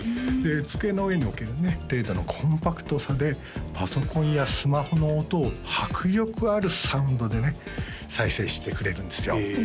机の上に置ける程度のコンパクトさでパソコンやスマホの音を迫力あるサウンドで再生してくれるんですよ